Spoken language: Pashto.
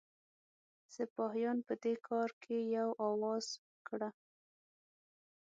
سپاهیان په دې کار کې یو آواز کړه.